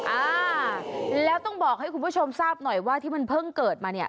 อ่าแล้วต้องบอกให้คุณผู้ชมทราบหน่อยว่าที่มันเพิ่งเกิดมาเนี่ย